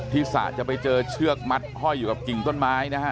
สระจะไปเจอเชือกมัดห้อยอยู่กับกิ่งต้นไม้นะฮะ